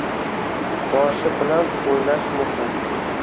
Boshi bilan o'ylash muhim